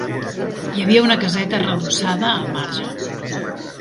Hi havia una caseta redossada al marge.